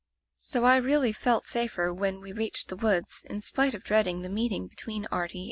So I really felt safer when we reached the woods, in spite of dreading the meeting between Artie and the collie.